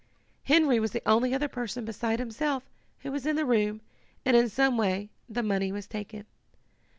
"Henry was the only other person, beside himself, who was in the room, and in some way the money was taken.